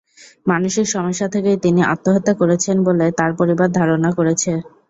মানসিক সমস্যা থেকেই তিনি আত্মহত্যা করেছেন বলে তাঁর পরিবার ধারণা করছে।